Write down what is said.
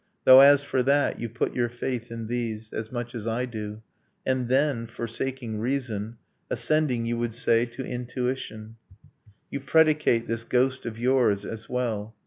. Though as for that you put your faith in these, As much as I do and then, forsaking reason, Ascending, you would say, to intuition, You predicate this ghost of yours, as well.